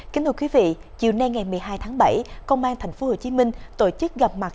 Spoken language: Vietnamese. kính thưa quý vị chiều nay ngày một mươi hai tháng bảy công an tp hcm tổ chức gặp mặt